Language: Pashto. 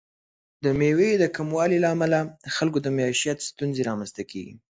د میوې د کموالي له امله د خلکو د معیشت ستونزې رامنځته کیږي.